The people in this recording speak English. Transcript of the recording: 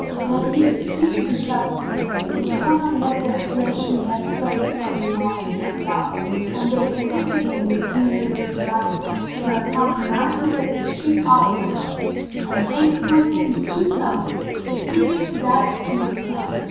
Then he excused himself to them and told them what desolation he had suffered for their loss and exile; and they acquainted him with King Ghayur's arrival, whereupon he mounted with his chief officers and taking with him his two sons, proceeded to that King's camp.